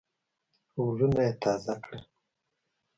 ولونه یې تازه کړل.